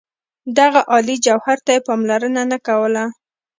دغه عالي جوهر ته یې پاملرنه نه کوله.